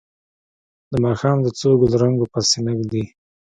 د ماښام د څو ګلرنګو پر سینه ږدي